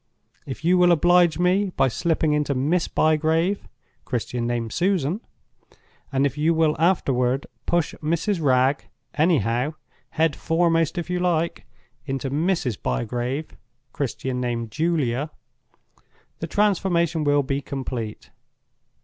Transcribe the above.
If you will oblige me by slipping into Miss Bygrave (Christian name, Susan); and if you will afterward push Mrs. Wragge—anyhow; head foremost if you like—into Mrs. Bygrave (Christian name, Julia), the transformation will be complete.